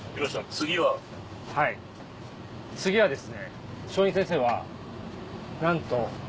はい次はですね。